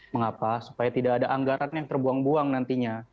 mengapa supaya tidak ada anggaran yang terbuang buang nantinya